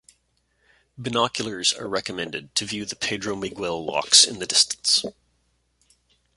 Binoculars are recommended to view the Pedro Miguel locks in the distance.